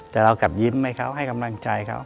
แต่เรากลับยิ้มให้เขาให้กำลังใจเขา